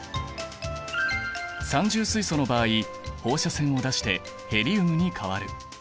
三重水素の場合放射線を出してヘリウムに変わる。